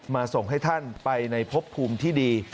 ส่งให้ท่านไปในพบภูมิที่ดี